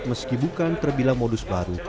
meski bukan terbilang modus baru